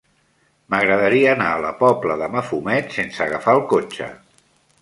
M'agradaria anar a la Pobla de Mafumet sense agafar el cotxe.